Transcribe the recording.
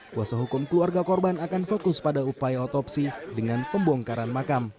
kuasa hukum keluarga korban akan fokus pada upaya otopsi dengan pembongkaran makam